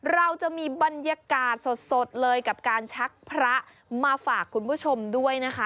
เราจะมีบรรยากาศสดเลยกับการชักพระมาฝากคุณผู้ชมด้วยนะคะ